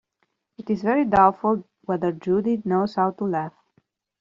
It is very doubtful whether Judy knows how to laugh.